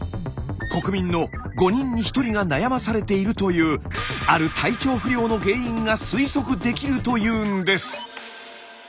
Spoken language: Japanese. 国民の５人に１人が悩まされているという「ある体調不良」の原因が推測できるというんです！